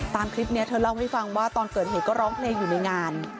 ตามคลิปนี้เธอเล่าให้ฟังว่าตอนเกิดเหตุก็ร้องเพลงอยู่ในงาน